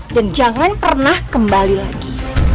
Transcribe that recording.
dan jangan pernah kembali lagi